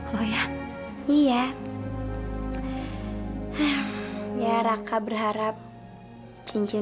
gak ada atas ini